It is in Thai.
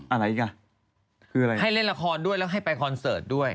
อะไรอีกอ่ะคืออะไรให้เล่นละครด้วยแล้วให้ไปคอนเสิร์ตด้วย